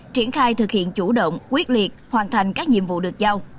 triển khai thực hiện chủ động quyết liệt hoàn thành các nhiệm vụ được giao